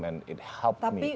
dan itu membantu saya banyak